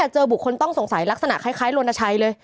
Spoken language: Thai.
เจอบุคคลต้องสงสัยลักษณะคล้ายลนชัยเลย